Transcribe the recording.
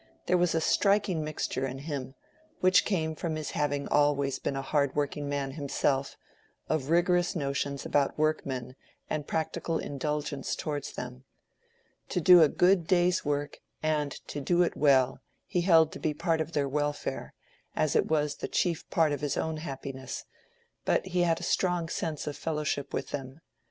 There was a striking mixture in him—which came from his having always been a hard working man himself—of rigorous notions about workmen and practical indulgence towards them. To do a good day's work and to do it well, he held to be part of their welfare, as it was the chief part of his own happiness; but he had a strong sense of fellowship with them.